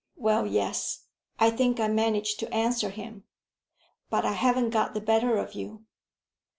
"Well, yes; I think I managed to answer him. But I haven't got the better of you."